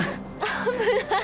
危ない。